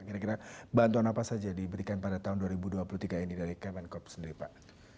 kira kira bantuan apa saja diberikan pada tahun dua ribu dua puluh tiga ini dari kemenkop sendiri pak